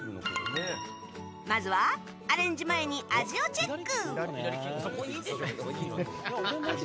まずはアレンジ前に味をチェック。